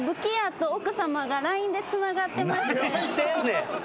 何してんねん。